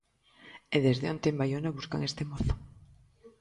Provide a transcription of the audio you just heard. E desde onte en Baiona buscan este mozo.